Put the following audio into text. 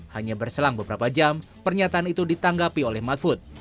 hanya berselang beberapa jam pernyataan itu ditanggapi oleh mahfud